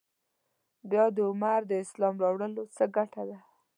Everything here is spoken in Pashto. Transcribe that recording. بیا د عمر د اسلام راوړلو څه ګټه ده.